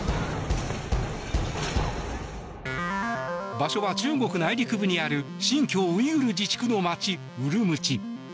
場所は、中国内陸部にある新疆ウイグル自治区の街ウルムチ。